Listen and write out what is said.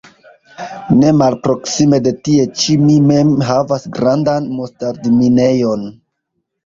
Ne malproksime de tie ĉi mi mem havas grandan mustardminejon.